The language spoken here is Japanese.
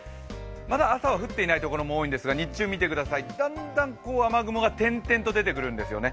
朝はまだ降っていないところも多いんですが、日中見てください、だんだん雨雲が点々と出てくるんですよね。